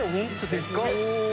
でかっ！